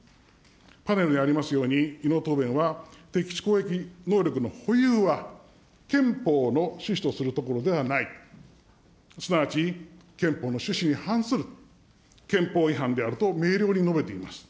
パネルにありますように、伊能答弁は敵基地攻撃能力の保有は、憲法の趣旨とするところではない、すなわち、憲法の趣旨に反する憲法違反であると明瞭に述べています。